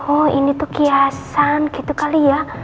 oh ini tuh kiasan gitu kali ya